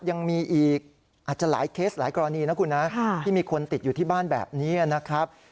ยังมีอีกอาจจะหลายเคสหลายกรณีนะคุณนะที่มีคนติดอยู่ที่บ้านแบบนี้นะครับ